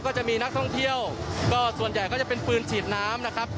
ก็จะมีนักท่องเที่ยวก็ส่วนใหญ่ก็จะเป็นปืนฉีดน้ำนะครับ